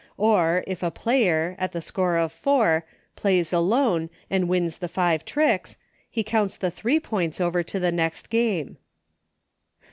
Oi, if a player, at the score of four, Plays Alone and wins the five tricks, he counts the three points over to the next game.